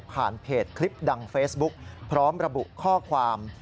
เพจคลิปดังเฟซบุ๊กพร้อมระบุข้อความ